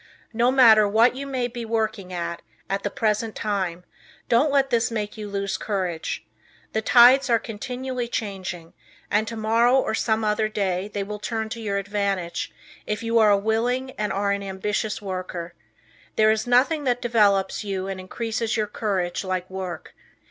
No matter what you may be working at, at the present time, don't let this make you lose courage. The tides are continually changing, and tomorrow or some other day they will turn to your advantage if you are a willing and are an ambitious worker. There is nothing that develops you and increases your courage like work.